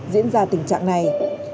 diễn ra tình trạng này